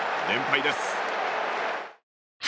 連敗です。